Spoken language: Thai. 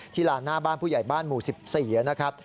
ลานหน้าบ้านผู้ใหญ่บ้านหมู่๑๔นะครับ